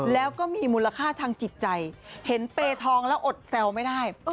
แล้วก็มีมูลค่าทางจิตใจเห็นเปทองแล้วอดแซวไม่ได้